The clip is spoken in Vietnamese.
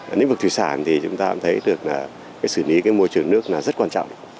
ở lĩnh vực thủy sản thì chúng ta cũng thấy được sử lý môi trường nước rất quan trọng